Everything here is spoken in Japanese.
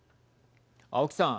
青木さん。